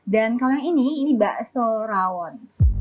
dan kalau yang ini ini bakso rawon